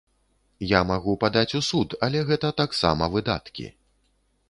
Я магу падаць у суд, але гэта таксама выдаткі.